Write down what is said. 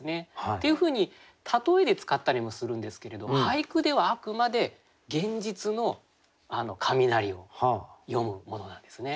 っていうふうに例えで使ったりもするんですけれど俳句ではあくまで現実の雷を詠むものなんですね。